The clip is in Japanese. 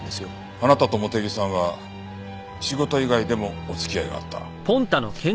あなたと茂手木さんは仕事以外でもお付き合いがあった。